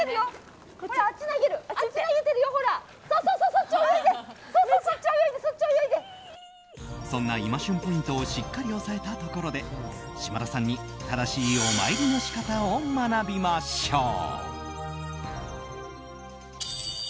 そんな今旬ポイントをしっかり押さえたところで島田さんに正しいお参りの仕方を学びましょう。